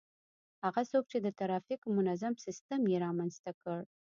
هغه څوک چي د ترافیکو منظم سیستم يې رامنځته کړ